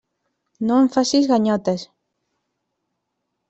No em facis ganyotes.